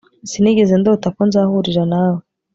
Sinigeze ndota ko nzahurira nawe